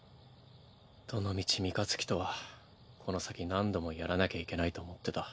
どのみち三日月とはこの先何度もやらなきゃいけないと思ってた。